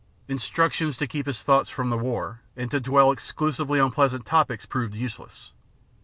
Instructions to keep his thoughts from the war and to dwell exclusively on pleasant topics proved useless.